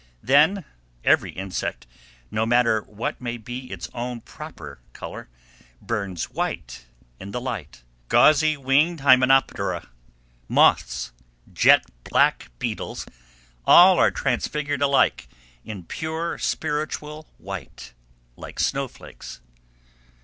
Then every insect, no matter what may be its own proper color, burns white in the light. Gauzy winged hymenoptera, moths, jet black beetles, all are transfigured alike in pure, spiritual white, like snowflakes.